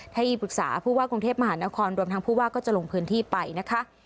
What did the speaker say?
ทายีปรึกษาภูตวาลจเทพมหานครรวมทางภูตวาลก็จะลงพื้นที่ไปนะคะ